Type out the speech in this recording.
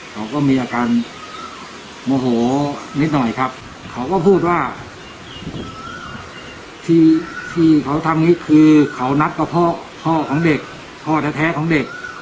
เขาก็มีอาการโมโหนิดหน่อยครับเขาก็พูดว่าที่ที่เขาทำอย่างนี้คือเขานัดกับพ่อพ่อของเด็กพ่อแท้ของเด็ก